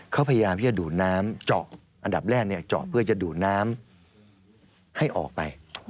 เขาพยายามที่จะดูดน้ำเจาะอันดับแรกเจาะเพื่อจะดูดน้ำให้ออกไป